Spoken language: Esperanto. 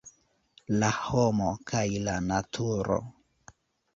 La homo kaj la naturo.